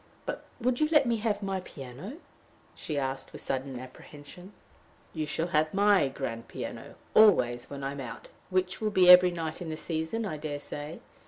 " But would you let me have my piano?" she asked, with sudden apprehension. "You shall have my grand piano always when I am out, which will be every night in the season, I dare say.